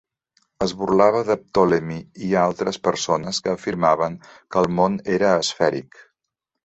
Es burlava de Ptolemy i altres persones que afirmaven que el món era esfèric.